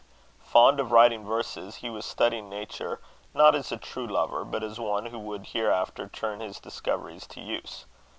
Fond of writing verses, he was studying nature, not as a true lover, but as one who would hereafter turn his discoveries to use.